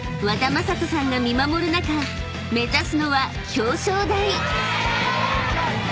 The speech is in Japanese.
和田正人さんが見守る中目指すのは表彰台］